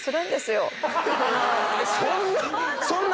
そんな⁉